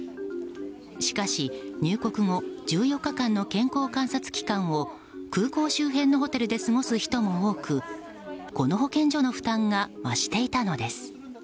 しかし入国後１４日間の健康観察期間を空港周辺のホテルで過ごす人も多くこの保健所の負担が増していたのです。